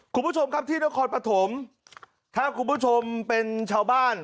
คุณผู้ชมครับที่นครปฐมถ้าคุณผู้ชมเป็นชาวบ้าน